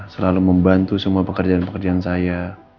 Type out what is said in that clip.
selalu membantu semua pekerjaan pekerjaan saya